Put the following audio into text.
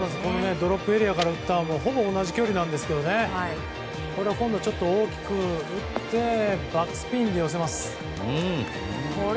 ドロップエリアから打ったほぼ同じ距離なんですが今度は大きく打ってバックスピンで寄せます。